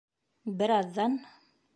Бер аҙҙан: